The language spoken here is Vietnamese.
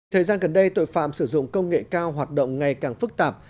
thời gian gần đây tội phạm sử dụng công nghệ cao hoạt động ngày càng phức tạp